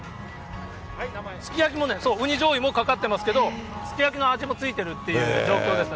すき焼きもね、ウニじょうゆかかってますけど、すき焼きの味もついてるって状況ですね。